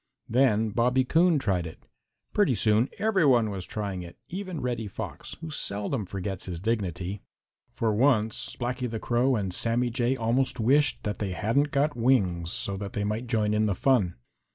Then Bobby Coon tried it. Pretty soon every one was trying it, even Reddy Fox, who seldom forgets his dignity. For once Blacky the Crow and Sammy Jay almost wished that they hadn't got wings, so that they might join in the fun.